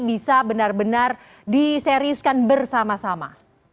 bisa benar benar diseriuskan bersama sama